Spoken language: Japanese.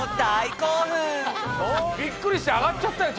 びっくりしてあがっちゃったよ